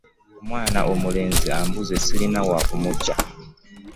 Omwana omulenzi abuze ssirina wa kumuggya.